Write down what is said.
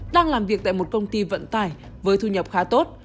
đang làm việc tại một công ty vận tải với thu nhập khá tốt